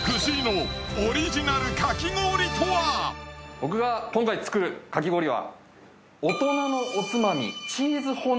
僕が今回作るかき氷は。